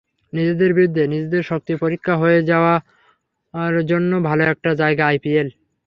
নিজেদের বিরুদ্ধে নিজেদের শক্তির পরীক্ষা হয়ে যাওয়ার জন্য ভালো একটা জায়গা আইপিএল।